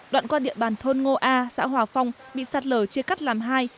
đoạn qua địa bàn thôn ngô a xã hòa phong bị sạt lở chia cắt làm hai